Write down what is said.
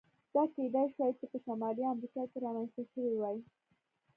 دا کېدای شوای چې په شمالي امریکا کې رامنځته شوی وای.